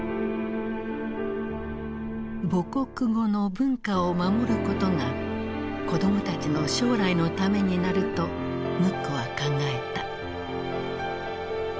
母国語の文化を守ることが子供たちの将来のためになるとムックは考えた。